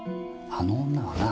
あの女はな。